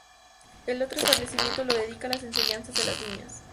El otro establecimiento lo dedica a las enseñanzas de las niñas.